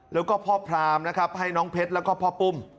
แล้วก็พ่อพรามนะครับให้น้องเพชรแล้วก็พ่อปุ้ม